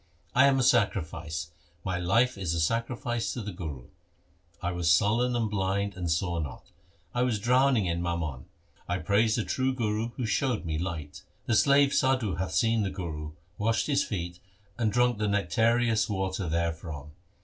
I am a sacrifice, my life is a sacrifice to the Guru. I was sullen, and blind, and saw not ; I was drowning in mammon. I praise the true Guru Who showed me light. The slave Sadhu hath seen the Guru, Washed his feet and drunk the nectareous water there from.